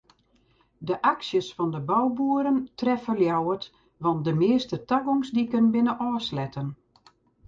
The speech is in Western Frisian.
De aksjes fan de bouboeren treffe Ljouwert want de measte tagongsdiken binne ôfsletten.